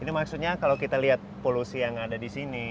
ini maksudnya kalau kita lihat polusi yang ada di sini